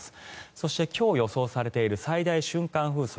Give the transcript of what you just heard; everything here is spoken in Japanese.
そして、今日予想されている最大瞬間風速